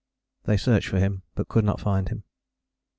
They searched for him but could not find him.